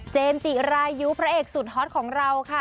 จิรายุพระเอกสุดฮอตของเราค่ะ